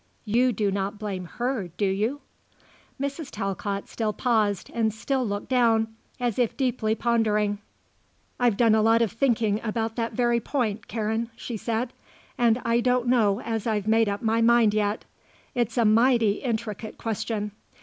You do not blame her, do you?" Mrs. Talcott still paused and still looked down, as if deeply pondering. "I've done a lot of thinking about that very point, Karen," she said. "And I don't know as I've made up my mind yet. It's a mighty intricate question.